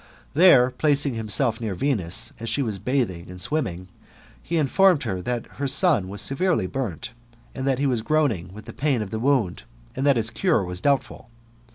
There, GOLDEN ASS, OF APULEIUS. — BOOK V. 85 placing himself near Venus, as she was bathing and swimmingi he informed her that her son was severely biimt, that be was groaning with the pain of the wound, and that his cure was doubtful.